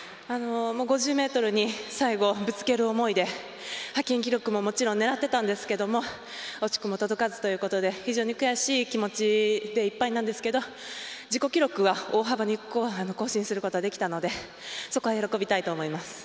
５０ｍに最後ぶつける思いで派遣記録ももちろん狙っていたんですが惜しくも届かずということで非常に悔しい気持ちでいっぱいなんですけど自己記録は大幅に更新することができたのでそこは喜びたいと思います。